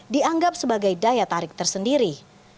dianggap sebagai daya tarik tersendiri